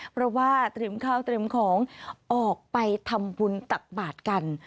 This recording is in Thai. เพราะว่าเตรียมข้าวเตรียมของออกไปทำบุญตักบาทกัน